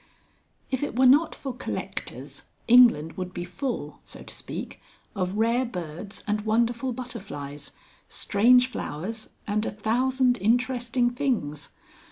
If it were not for collectors England would be full, so to speak, of rare birds and wonderful butterflies, strange flowers and a thousand interesting things.